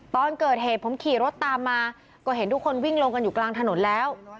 ตอนเกิดเหตุผมขี่รถตามมาก็เห็นทุกคนวิ่งลงกันอยู่กลางถนนแล้ว